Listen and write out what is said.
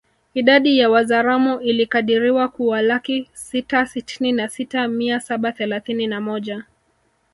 Idadi ya Wazaramo ilikadiriwa kuwalaki sita sitini na sita mia saba thelathini na moja